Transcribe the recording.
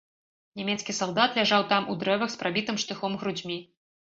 Нямецкі салдат ляжаў там у дрэвах з прабітымі штыхом грудзьмі.